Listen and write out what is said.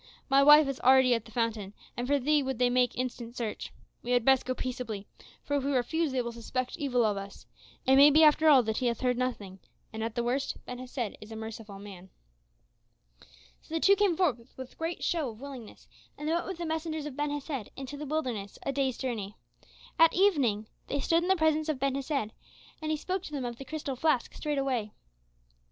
"My wife is already at the fountain, and for thee would they make instant search. We had best go peaceably, for if we refuse they will suspect evil of us It may be after all that he hath heard nothing; and at the worst, Ben Hesed is a merciful man." So the two came forth with great show of willingness, and they went with the messengers of Ben Hesed into the wilderness a day's journey. At evening they stood in the presence of Ben Hesed, and he spoke to them of the crystal flask straightway.